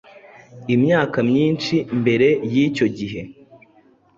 Imyaka myinshi mbere y’icyo gihe,